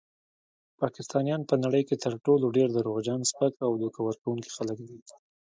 پاکستانیان په نړۍ کې تر ټولو ډیر دروغجن، سپک او دوکه ورکونکي خلک دي.